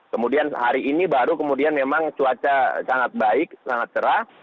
kemudian hari ini baru kemudian memang cuaca sangat baik sangat cerah